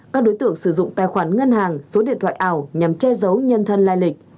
các đối tượng sử dụng tài khoản ngân hàng số điện thoại ảo nhằm che giấu nhân thân lai lịch